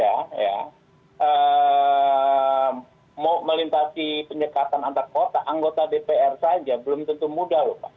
ya melintasi penyekatan antar kota anggota dpr saja belum tentu mudah loh pak